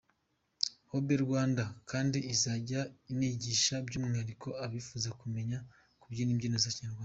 Hobe Rwanda kandi izajya inigisha by’umwihariko abifuza kumenya kubyina imbyino za Kinyarwanda.